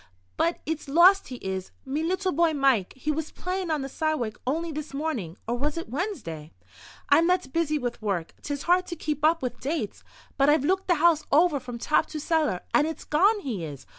But it's lost he is, me little boy Mike. He was playin' on the sidewalk only this mornin'—or was it Wednesday? I'm that busy with work, 'tis hard to keep up with dates. But I've looked the house over from top to cellar, and it's gone he is.